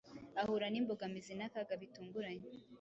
ahura nimbogamizi n’akaga bitunguranye.